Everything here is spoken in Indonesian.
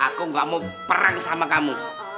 aku gak mau perang sama kamu